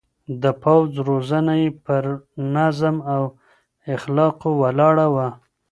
د پوځ روزنه يې پر نظم او اخلاقو ولاړه وه.